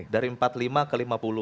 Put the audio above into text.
dari empat puluh lima ke lima puluh